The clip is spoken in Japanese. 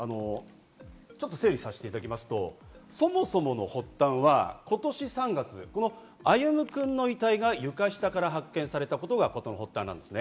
整理させていただきますと、そもそもの発端は今年３月、歩夢くんの遺体が床下から発見されたことがことの発端です。